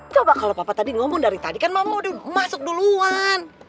coba kalau papa tadi ngomong dari tadi kan mama masuk duluan